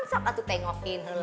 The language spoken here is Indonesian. sok atu tengokin